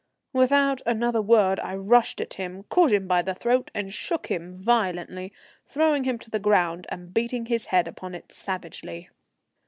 Without another word I rushed at him, caught him by the throat, and shook him violently, throwing him to the ground and beating his head upon it savagely.